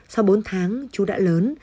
sau bốn tháng chú đã lớn